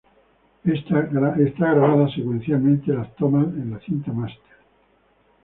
Esta grababa secuencialmente las tomas en la cinta master.